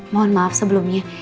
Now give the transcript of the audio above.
mohon maaf sebelumnya